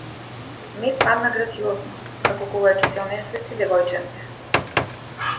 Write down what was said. Мет падна грациозно, како кога ќе се онесвести девојченце.